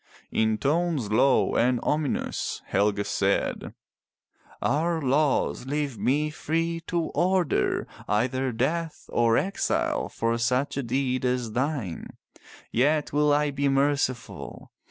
In tones low and ominous Helge said: Our laws leave me free to order either death or exile for such a deed as thine. Yet will I be merciful.